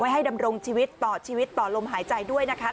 ให้ดำรงชีวิตต่อชีวิตต่อลมหายใจด้วยนะคะ